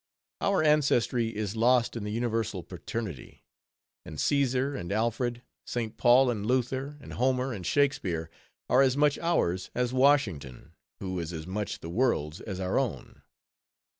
Our ancestry is lost in the universal paternity; and Caesar and Alfred, St. Paul and Luther, and Homer and Shakespeare are as much ours as Washington, who is as much the world's as our own.